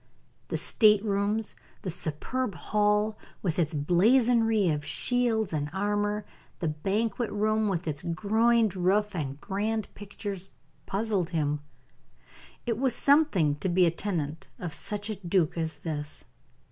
The state rooms, the superb hall, with its blazonry of shields and armor; the banquet room, with its groined roof and grand pictures, puzzled him. It was something to be a tenant of such a duke as this.